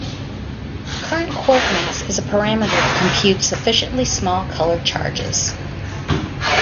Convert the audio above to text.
The current quark mass is a parameter to compute sufficiently small color charges.